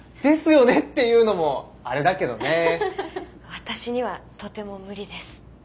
私にはとても無理です。